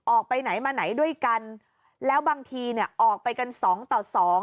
ออกไปไหนมาไหนด้วยกันแล้วบางทีเนี่ยออกไปกันสองต่อสอง